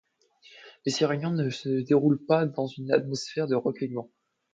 Mais ces réunions ne se déroulent pas dans une atmosphère de recueillement.